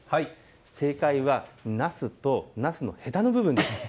正解は、ナスとナスのへたの部分です。